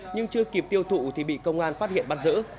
nhưng chưa kịp tiêu thụ thì bị công an phát hiện bắt giữ